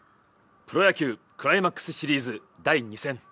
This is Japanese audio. プロ野球クライマックスシリーズ第２戦。